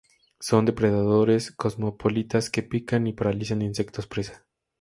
Son depredadores cosmopolitas que pican y paralizan insectos presa.